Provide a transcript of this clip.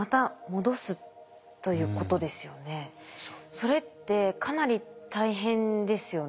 それってかなり大変ですよね。